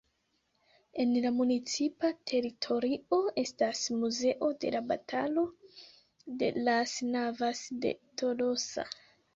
En la municipa teritorio estas Muzeo de la Batalo de las Navas de Tolosa.